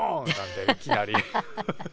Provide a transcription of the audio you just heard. いきなり。